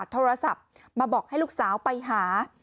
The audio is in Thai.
โทรศัพท์มาบอกให้ลูกสาวไปหา